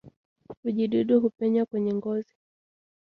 Vijidudu hupenya kwenye ngozi